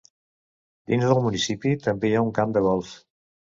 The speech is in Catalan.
Dins del municipi també hi ha un camp de Golf.